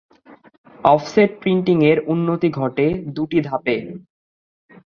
Offset printing এর উন্নতি ঘটে দুটি ধাপে।